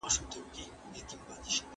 بزګر د آس په ژغورلو کې ناغېړي کړې وه.